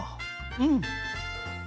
うん。